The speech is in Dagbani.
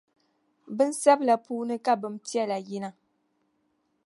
Bin’ sabila puuni ka bim’ piɛla yina.